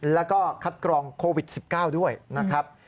แล้วก็คัดกรองโควิด๑๙ด้วยนะครับ